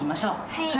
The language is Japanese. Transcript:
はい！